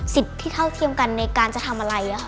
ที่เท่าเทียมกันในการจะทำอะไร